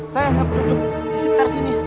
saya hanya duduk di sekitar sini